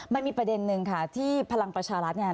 มันมีประเด็นนึงค่ะที่พลังประชารัฐเนี่ย